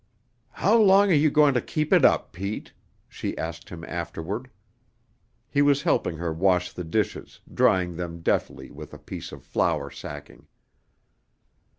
"How long are you going to keep it up, Pete?" she asked him afterward. He was helping her wash the dishes, drying them deftly with a piece of flour sacking.